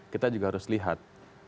kita juga harus lihat